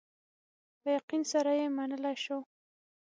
په یقین سره یې منلای شو.